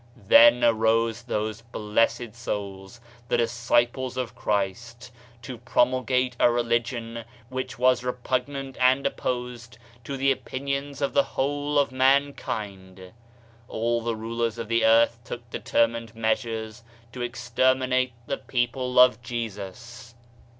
Then arose those blessed souls, the disciples of Christ, to promulgate a religion which was re pugnant and opposed to the opinions of the whole of mankind. All the rulers of the earth took determined mea sures to exterminate the people of Jesus.